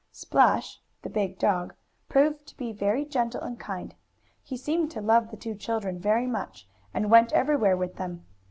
Splash, the big dog, proved to be very gentle and kind. He seemed to love the two children very much, and went everywhere with them.